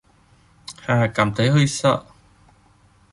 Hà cảm thấy hơi sợ